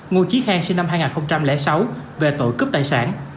ngô trí khang sinh năm hai nghìn sáu về tội cướp tài sản